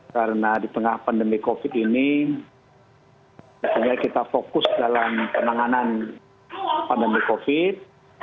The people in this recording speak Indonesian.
karena di tengah pandemi covid ini kita fokus dalam penanganan pandemi covid